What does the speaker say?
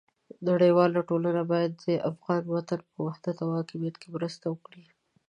نړیواله ټولنه باید د افغان وطن په وحدت او حاکمیت کې مرسته وکړي.